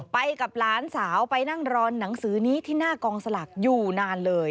ไปกับหลานสาวไปนั่งรอหนังสือนี้ที่หน้ากองสลากอยู่นานเลย